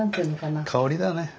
香りだね。